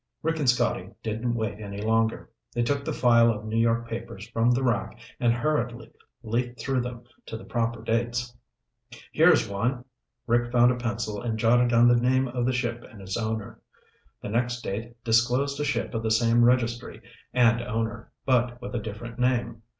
Rick and Scotty didn't wait any longer. They took the file of New York papers from the rack and hurriedly leafed through them to the proper dates. "Here's one!" Rick found a pencil and jotted down the name of the ship and its owner. The next date disclosed a ship of the same registry and owner, but with a different name.